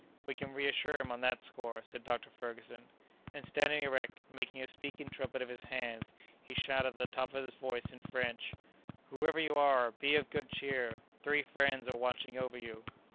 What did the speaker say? "We can reassure him, on that score," said Dr. Ferguson—and, standing erect, making a speaking trumpet of his hands, he shouted at the top of his voice, in French: "Whoever you are, be of good cheer! Three friends are watching over you."